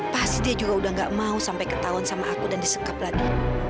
pasti dia juga udah gak mau sampai ketahuan sama aku dan disekap lagi